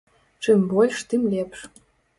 Чым больш, тым лепш.